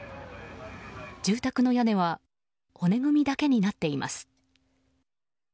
住宅の屋根は骨組みだけになっています。